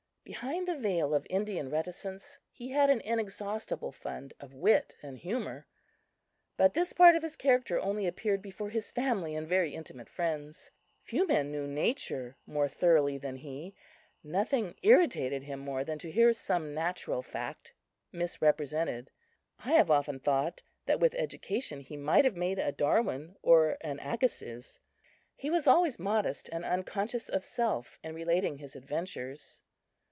Behind the veil of Indian reticence he had an inexhaustible fund of wit and humor; but this part of his character only appeared before his family and very intimate friends. Few men know nature more thoroughly than he. Nothing irritated him more than to hear some natural fact misrepresented. I have often thought that with education he might have made a Darwin or an Agassiz. He was always modest and unconscious of self in relating his adventures.